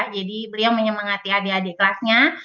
jadi beliau menyemangati adik adik kelasnya